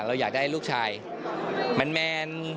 เราอยากได้ลูกชายแมน